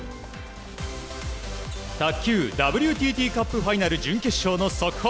卓球ＷＴＴカップファイナル準決勝の速報。